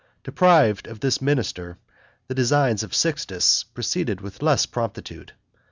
Deprived of this minister, the designs of Sixtus proceeded with less promptitude.